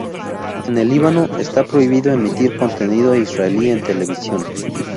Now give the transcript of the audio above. En el Líbano, está prohibido emitir contenido israelí en televisión.